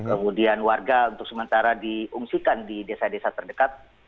kemudian warga untuk sementara diungsikan di desa desa terdekat